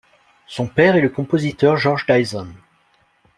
Son père est le compositeur George Dyson.